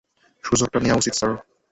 সুযোগটা নেওয়া উচিত, স্যার!